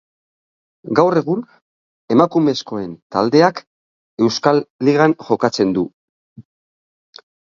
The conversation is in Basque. Gaur egun emakumezkoen taldeak Euskal Ligan jokatzen du.